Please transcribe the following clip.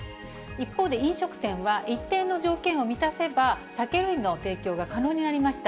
一方で飲食店は、一定の条件を満たせば、酒類の提供が可能になりました。